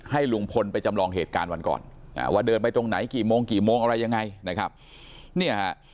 ให้ลุงพลไปจำลองเหตุการณ์วันก่อนว่าเดินไปตรงไหนกี่โมงอะไรยังไง